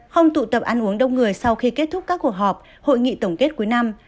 không tụ tập ăn uống đông người sau khi kết thúc các cuộc họp hội nghị tổng kết cuối năm